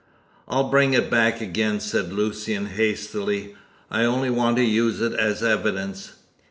"I'll bring it back again," said Lucian hastily. "I only want to use it as evidence."